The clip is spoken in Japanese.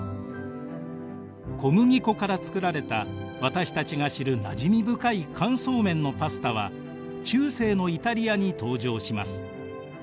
小麦粉から作られた私たちが知るなじみ深い乾燥麺のパスタは中世のイタリアに登場します。